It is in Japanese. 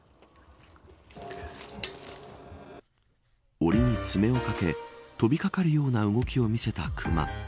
おりに爪をかけ飛びかかるような動きを見せた熊。